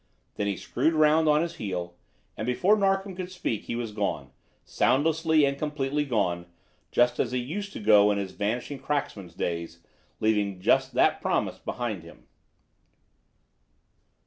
Then he screwed round on his heel, and before Narkom could speak was gone, soundlessly and completely gone, just as he used to go in his Vanishing Cracksman's days, leaving just that promise behind him.